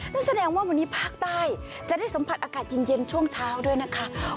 นั่นแสดงว่าวันนี้ภาคใต้จะได้สัมผัสอากาศเย็นช่วงเช้าด้วยนะคะ